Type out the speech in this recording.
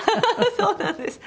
そうなんです。